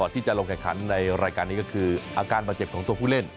ที่จะลงแข่งขันในรายการนี้ก็คืออาการบาดเจ็บของตัวผู้เล่น